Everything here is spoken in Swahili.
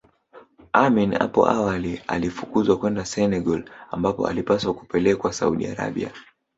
Amin hapo awali alifukuzwa kwenda Senegal ambapo alipaswa kupelekwa Saudi Arabia